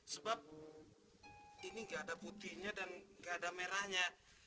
sebab ini gak ada putihnya dan gak ada merahnya